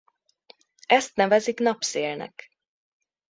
Ezt nevezik napszélnek.